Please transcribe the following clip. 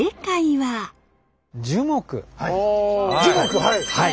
はい。